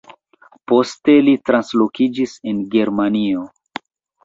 Poste li translokiĝis en Germanion.